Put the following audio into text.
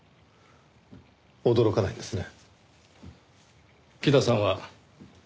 驚かないんですね。